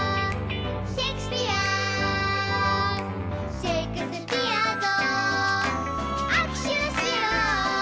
「シェイクスピアと握手をしよう」